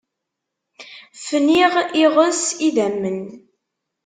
Fniɣ, iɣes, idammen.